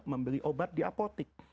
membeli obat di apotik